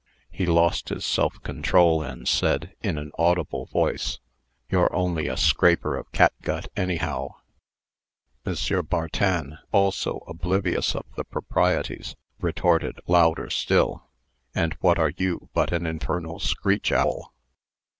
He lost his self control, and said, in an audible voice: "You're only a scraper of catgut, anyhow." M. Bartin, also oblivious of the proprieties, retorted, louder still: "And what are you but an infernal screech owl?"